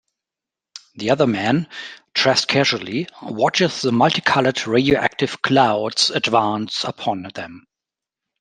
The other man, dressed casually, watches the multicoloured radioactive clouds advance upon them.